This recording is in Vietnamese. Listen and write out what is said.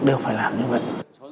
đều phải làm như vậy